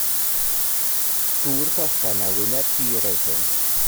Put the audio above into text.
Gŵr bychan a wyneb hir oedd hwn.